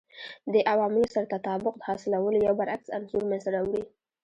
دې عواملو سره تطابق حاصلولو یو برعکس انځور منځته راوړي